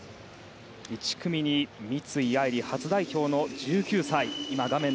１組に三井愛梨、初代表の１９歳。